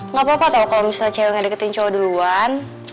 nggak apa apa tau kalo misalnya ceweknya diketin cowok duluan